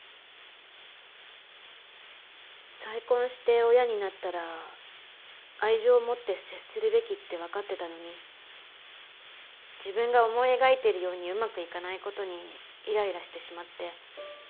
再婚して親になったら愛情を持って接するべきってわかってたのに自分が思い描いているようにうまくいかない事にイライラしてしまって。